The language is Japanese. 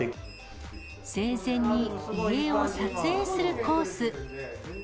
生前に遺影を撮影するコース。